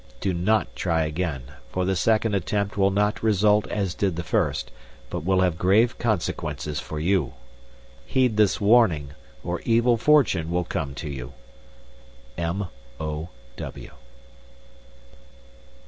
"Do not try again, for the second attempt will not result as did the first, but will have grave consequences for you. "Heed this warning, or evil fortune will come to you. "M. o. W."